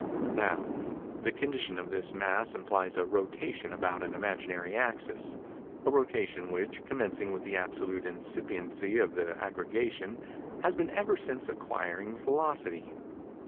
Now, the condition of this mass implies a rotation about an imaginary axis—a rotation which, commencing with the absolute incipiency of the aggregation, has been ever since acquiring velocity.